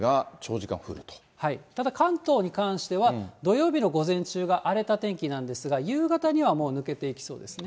ただ、関東に関しては、土曜日の午前中が荒れた天気なんですが、夕方にはもう抜けていきそうですね。